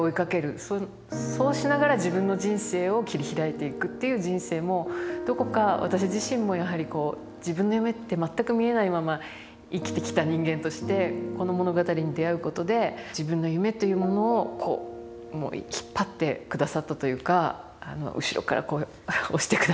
そうしながら自分の人生を切り開いていくっていう人生もどこか私自身もやはりこう自分の夢って全く見えないまま生きてきた人間としてこの物語に出会うことで自分の夢というものをこう引っ張ってくださったというか後ろからこう押してくださったというか。